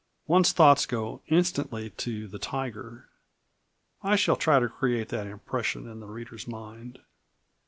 One's thoughts go instantly to the tiger. I shall try to create that impression in the reader's mind."